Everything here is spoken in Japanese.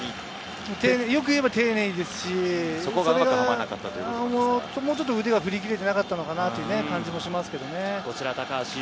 よく言えば丁寧ですし、もうちょっと腕が振り切れてなかったのかなという感じもします。